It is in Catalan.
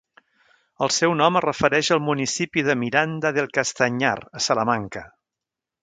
El seu nom es refereix al municipi de Miranda del Castanyar, a Salamanca.